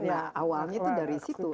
itu kan karena awalnya itu dari situ